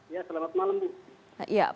ya selamat malam